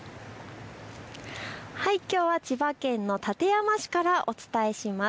きょうは千葉県の館山市からお伝えします。